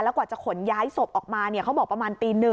กว่าจะขนย้ายศพออกมาเขาบอกประมาณตี๑